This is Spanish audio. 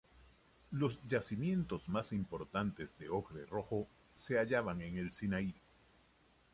Los yacimientos más importantes de ocre rojo se hallaban en el Sinaí.